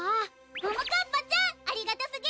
ももかっぱちゃんありがとすぎる！